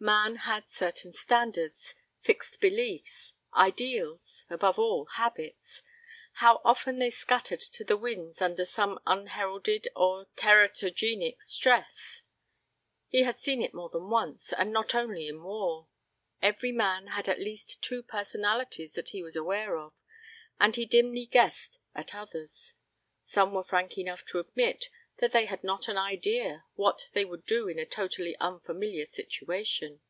Man had certain standards, fixed beliefs, ideals, above all, habits how often they scattered to the winds under some unheralded or teratogenic stress. He had seen it more than once, and not only in war. Every man had at least two personalities that he was aware of, and he dimly guessed at others. Some were frank enough to admit that they had not an idea what they would do in a totally unfamiliar situation.